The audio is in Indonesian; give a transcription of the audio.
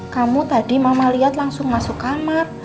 kamu tadi mama lihat langsung masuk kamar